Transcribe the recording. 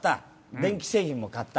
電気製品も買った。